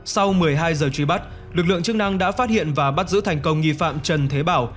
sau một mươi hai giờ truy bắt lực lượng chức năng đã phát hiện và bắt giữ thành công nghi phạm trần thế bảo